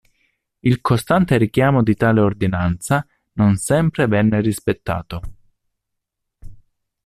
Il costante richiamo di tale ordinanza, non sempre venne rispettato.